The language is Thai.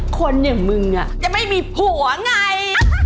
คนอย่างมึงจะไม่มีผัวไง